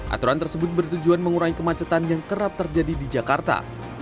aturan tersebut bertujuan mengurangi kemacetan yang kerap terjadi di jakarta